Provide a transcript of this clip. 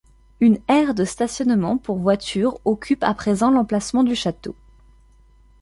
Une aire de stationnement pour voitures occupe à présent l'emplacement du château.